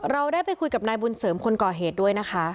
เราได้ไปคุยกับนายบุญเสริมคนก่อเหตุด้วยนะคะ